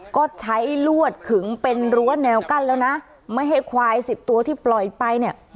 ก็ใช้ลวดขึงเป็นรั้วแนวกั้นแล้วนะไม่ให้ควายสิบตัวที่ปล่อยไปเนี่ย